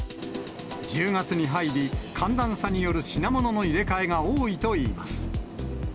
１０月に入り、寒暖差による品物の入れ替えが多いといいます。